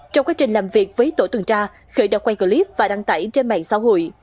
trong quá trình làm việc với tổ tuần tra khởi đã quay clip và đăng tải trên mạng xã hội